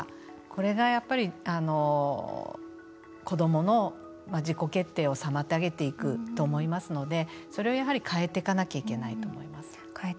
これがやはり子どもの自己決定を妨げていくと思いますのでそれをやはり変えていかなければいけないと思います。